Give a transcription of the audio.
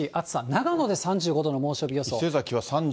長野で３５度の猛暑日予想。